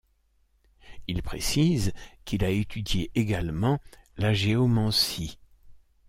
Il précise qu’il a étudié également la géomancie.